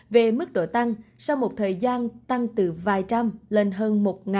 về mức độ tăng sau một thời gian tăng từ vài trăm lên hơn